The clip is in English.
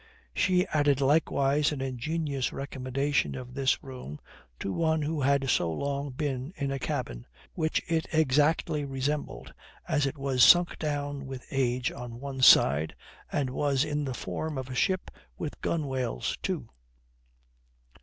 She added likewise an ingenious recommendation of this room to one who had so long been in a cabin, which it exactly resembled, as it was sunk down with age on one side, and was in the form of a ship with gunwales too.